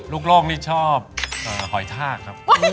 โลกนี่ชอบหอยทากครับ